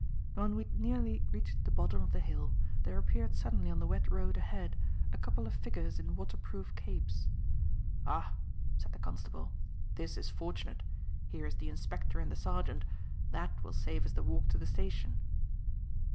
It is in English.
When we had nearly reached the bottom of the hill, there appeared suddenly on the wet road ahead, a couple of figures in waterproof capes. "Ha!" said the constable, "this is fortunate. Here is the inspector and the sergeant. That will save us the walk to the station."